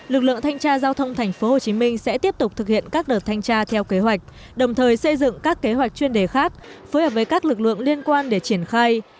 lực lượng thanh tra giao thông tp hcm sẽ tiếp tục thực hiện các đợt thanh tra theo kế hoạch đồng thời xây dựng các kế hoạch chuyên đề khác phối hợp với các lực lượng liên quan để triển khai